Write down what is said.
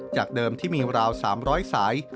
จากเดิมที่มีราว๓๐๐สาย